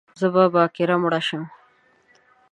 زه به باکره مړه شم